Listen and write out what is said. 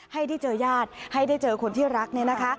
ให้ได้เจอญาติให้ได้เจอคนที่รักเนี่ยนะคะ